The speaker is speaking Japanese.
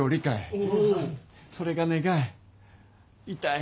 それが願い痛い